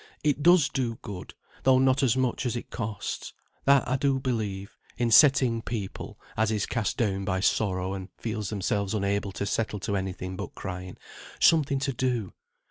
It does do good, though not as much as it costs, that I do believe, in setting people (as is cast down by sorrow and feels themselves unable to settle to any thing but crying) something to do.